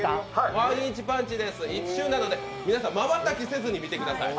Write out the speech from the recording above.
ワンインチパンチです、一瞬なのでまばたきせずに見てください。